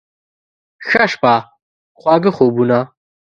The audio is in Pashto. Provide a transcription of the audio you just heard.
ښه شپه، خواږه خوبونه